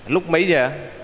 lúc mấy giờ